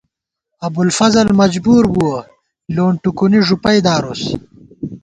ابُوالفضل مجبُور بُوَہ ، لون ٹُکُونی ݫُپَئ دارُس